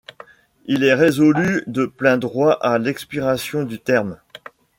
Il est résolu de plein droit à l'expiration du terme.